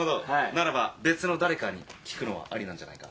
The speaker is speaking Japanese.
ならば別の誰かに聞くのはありなんじゃないか。